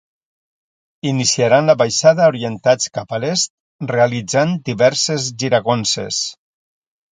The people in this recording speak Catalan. Iniciaran la baixada orientats cap a l'est realitzant diverses giragonses.